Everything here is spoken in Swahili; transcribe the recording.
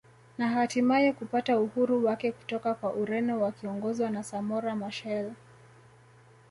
Na hatimaye kupata uhuru wake kutoka kwa Ureno wakiongozwa na Samora Michael